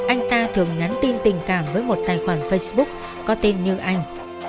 anh ta thường nhắn tin tình cảm với một tài khoản facebook có tên như anh